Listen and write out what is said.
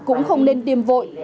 cũng không nên tiêm vội